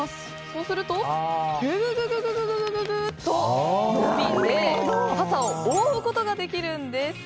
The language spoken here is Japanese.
そうすると、ググググッと伸びて傘を覆うことができるんです。